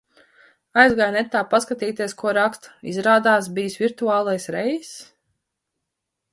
Aizgāju netā paskatīties, ko raksta, izrādās bijis virtuālais reiss?